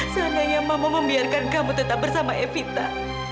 seandainya mama membiarkan kamu tetap bersama evita